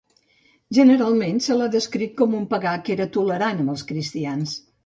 Generalment, se l'ha descrit com a un pagà que era tolerant amb els cristians.